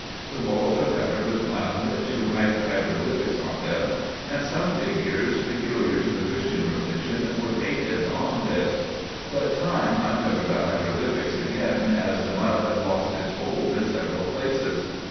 The walls are covered with mud, to hide the hieroglyphics on them ; and some figures peculiar to the Christian religion were painted on this ; but time uncovered the hieroglyphics again, as the mud lost its hold in several places.